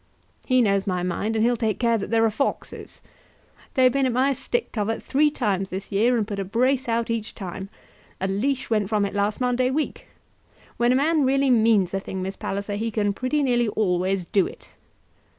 "He knows my mind, and he'll take care that there are foxes. They've been at my stick covert three times this year, and put a brace out each time. A leash went from it last Monday week. When a man really means a thing, Miss Palliser, he can pretty nearly always do it."